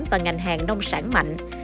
và ngành hàng nông sản mạnh